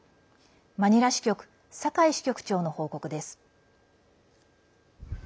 マニラ支局酒井支局長の報告です。